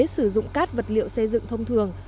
sử dụng các vật liệu xây dựng thông thường